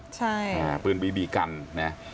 ใช่ค่ะปืนบีบีกันนะ